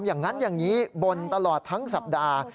อย่างนั้นอย่างนี้บ่นตลอดทั้งสัปดาห์